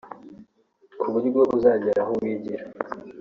ku buryo uzagera aho wigira